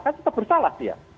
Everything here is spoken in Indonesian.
kan tetap bersalah dia